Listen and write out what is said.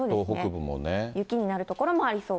雪になる所もありそう。